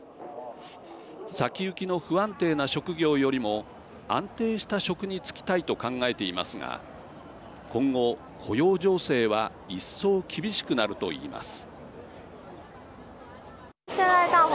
先行きの不安定な職業よりも安定した職に就きたいと考えていますが今後、雇用情勢は一層厳しくなるといいます。